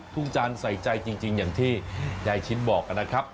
จานใส่ใจจริงอย่างที่ยายชิ้นบอกนะครับ